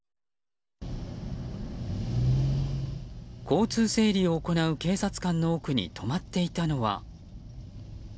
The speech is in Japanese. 交通整理を行う警察官の奥に止まっていたのは。